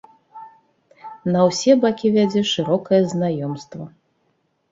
На ўсе бакі вядзе шырокае знаёмства.